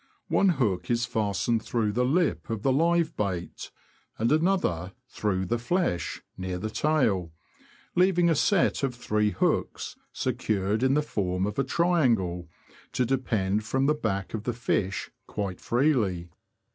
One hook is fastened through the lip of the live bait, and another through the flesh, near the tail, leaving a set of three hooks, secured in the form of a triangle, to depend from the back of the fish quite freely.